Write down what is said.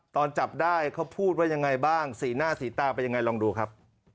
ตอนจับได้เขาพูดว่ายังไงบ้างสีหน้าสีตาเป็นยังไงลองดูครับ